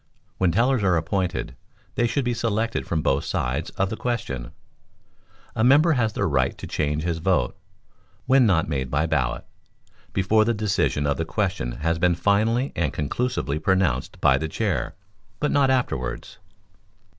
When tellers are appointed, they should be selected from both sides of the question. A member has the right to change his vote (when not made by ballot) before the decision of the question has been finally and conclusively pronounced by the Chair, but not afterwards.